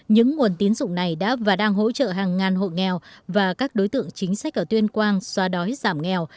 những nguồn tín dụng này đã và đang hỗ trợ hàng ngàn hộ nghèo và các đối tượng chính sách ở tuyên quang xoa đói giảm nghèo